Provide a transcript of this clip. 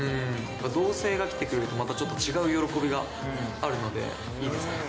同性が来てくれると、またちょっと違う喜びがあるので、いいですね。